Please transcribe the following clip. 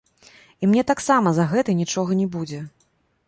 І мне таксама за гэта нічога не будзе!